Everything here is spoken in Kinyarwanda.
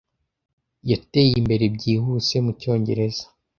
Yateye imbere byihuse mucyongereza.